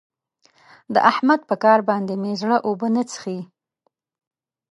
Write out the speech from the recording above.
د احمد په کار باندې مې زړه اوبه نه څښي.